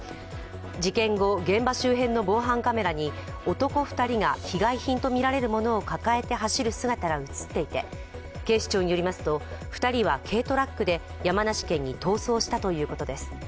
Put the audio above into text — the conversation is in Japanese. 事件後、現場周辺の防犯カメラに男２人が被害品とみられるものを抱えて走る姿が映っていて、警視庁によりますと２人は軽トラックで山梨県に逃走したということです。